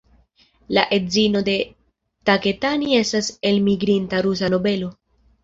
La edzino de Taketani estas elmigrinta rusa nobelo.